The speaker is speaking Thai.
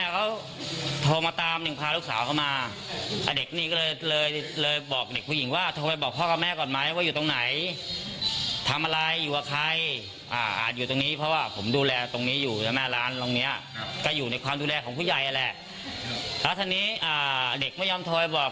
ก็ทีนี้เด็กไม่ยอมโทยบอก